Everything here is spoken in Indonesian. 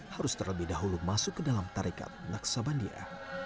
harus terlebih dahulu masuk ke dalam tarekat naksabandia